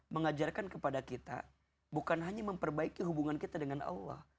mengajarkan kepada kita bukan hanya memperbaiki hubungan kita dengan allah